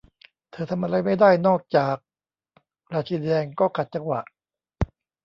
เธอทำอะไรไม่ได้นอกจาก 'ราชินีแดงก็ขัดจังหวะ